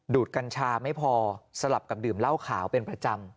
ดกัญชาไม่พอสลับกับดื่มเหล้าขาวเป็นประจำ